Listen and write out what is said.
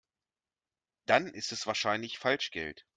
Dann ist es wahrscheinlich Falschgeld.